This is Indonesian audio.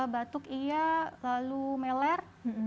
batuk iya lalu meler